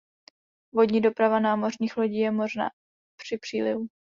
Vodní doprava námořních lodí je možná při přílivu.